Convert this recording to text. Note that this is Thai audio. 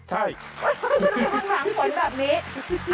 ใช่หวังผลแบบนี้